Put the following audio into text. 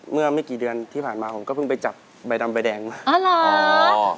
เมื่อไม่กี่เดือนที่ผ่านมาผมก็เพิ่งไปจับใบดำใบแดงมาอ๋อเหรอ